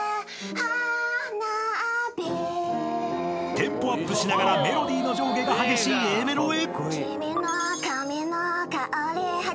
［テンポアップしながらメロディーの上下が激しいＡメロへ］